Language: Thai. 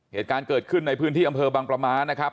เหตุการณ์เกิดขึ้นในพื้นที่อำเภอบังประมาทนะครับ